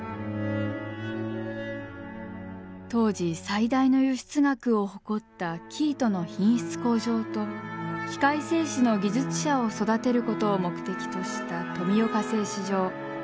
当時最大の輸出額を誇った生糸の品質向上と器械製糸の技術者を育てることを目的とした富岡製糸場。